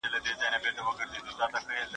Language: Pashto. لږ را اوچت کړه دغه دار مې سر ته نه رسیږي